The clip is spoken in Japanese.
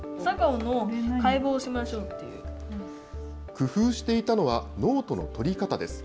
工夫していたのはノートの取り方です。